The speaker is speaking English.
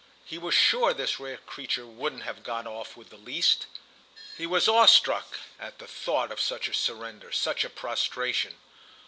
He was sure this rare creature wouldn't have got off with the least. He was awestruck at the thought of such a surrender—such a prostration.